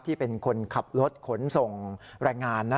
ที่เป็นคนขับรถขนส่งแรงงาน